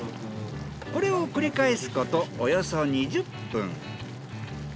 これを繰り返すことおよそ２０分。